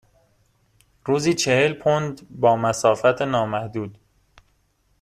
روزی چهل پوند با مسافت نامحدود.